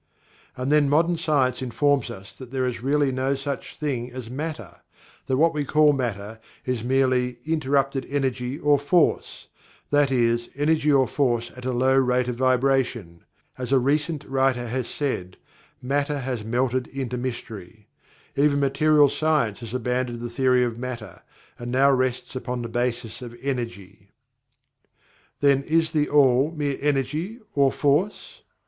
And then Modern Science informs us that there is really no such thing as Matter that what we call Matter is merely "interrupted energy or force," that is, energy or force at a low rate of vibration. As a recent writer has said "Matter has melted into Mystery." Even Material Science has abandoned the theory of Matter, and now rests on the basis of "Energy." Then is THE ALL mere Energy or Force?